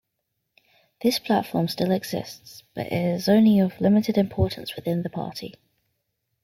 This platform still exists, but it is only of limited importance within the party.